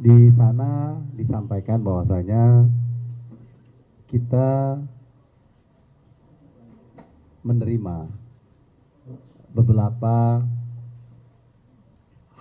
di sana disampaikan bahwasannya kita menerima beberapa hal